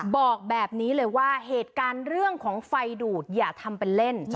บอกแบบนี้เลยว่าเหตุการณ์เรื่องของไฟดูดอย่าทำเป็นเล่น